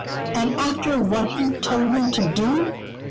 And after what he told me to do!"